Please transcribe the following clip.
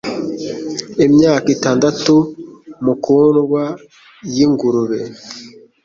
Imyaka itandatu mukundwa yingurube!